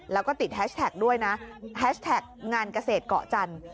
แล้วก็ติดแฮชแท็กด้วยนะแฮชแท็กงานเกษตรเกาะจันทร์